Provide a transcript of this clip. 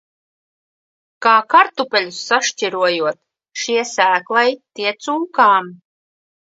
Kā kartupeļus sašķirojot – šie sēklai, tie cūkām.